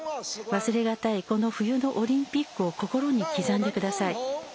忘れがたいこの冬のオリンピックを心に刻んでください。